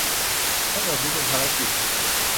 ทั้งหมดนี้เป็นภารกิจ